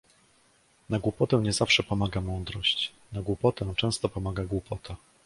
Na głupotę nie zawsze pomaga mądrość. Na głupotę często pomaga głupota.